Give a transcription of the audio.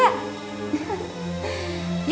uuuh tuh dia